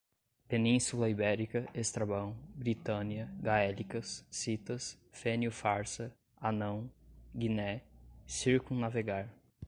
Península Ibérica, Estrabão, Britânia, gaélicas, citas, Fênio Farsa, Hanão, Guiné, circum-navegar